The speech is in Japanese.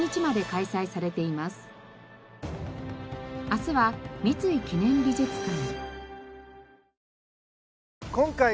明日は三井記念美術館。